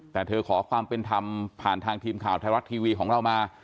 แต่เธอขอความเป็นธรรมผ่านทางทีมข่าวไทยรัฐทีวีของเรามา